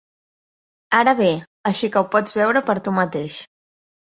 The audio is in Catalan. Ara ve, així que ho pots veure per tu mateix.